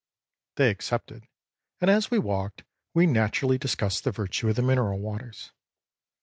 They accepted, and as we walked, we naturally discussed the virtue of the mineral waters.